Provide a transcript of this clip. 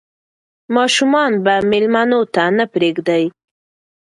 ماشومان به مېلمنو ته نه پرېږدي.